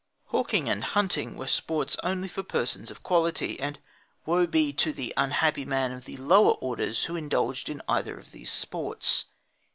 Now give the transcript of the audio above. Hawking and hunting were sports only for persons of quality, and woe be to the unhappy man of the lower orders who indulged in either of these sports.